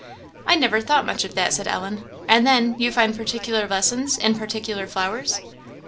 "I never thought much of that," said Ellen. "And then, you find particular lessons in particular flowers?"